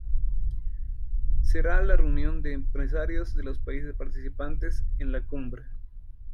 Será la reunión de empresarios de los países participantes en la cumbre.